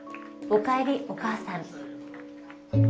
おかえりお母さん